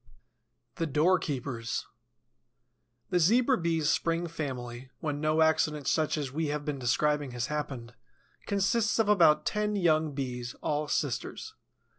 THE DOORKEEPERS The Zebra Bee's spring family, when no accident such as we have been describing has happened, consists of about ten young Bees, all sisters.